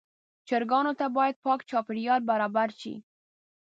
چرګانو ته باید پاک چاپېریال برابر شي.